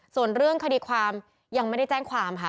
ส่วนเรื่องคดีความยังไม่ได้แจ้งความค่ะ